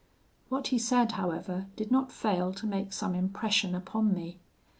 "What he said, however, did not fail to make some impression upon me.